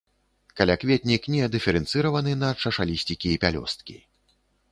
Калякветнік не дыферэнцыраваны на чашалісцікі і пялёсткі.